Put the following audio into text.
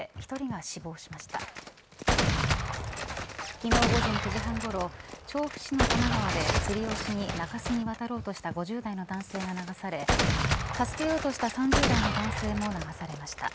昨日、午前９時半ごろ調布市の多摩川で釣りをしに中州に渡ろうとした５０代の男性が流され助けようとした３０代の男性も流されました。